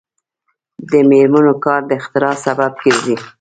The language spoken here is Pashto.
د میرمنو کار د اختراع سبب ګرځي.